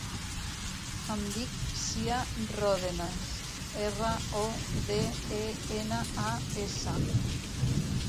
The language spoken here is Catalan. Em dic Sia Rodenas: erra, o, de, e, ena, a, essa.